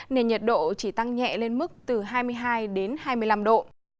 nên nhiệt độ chỉ tăng nhẹ lên mức từ hai mươi hai đến hai mươi năm độ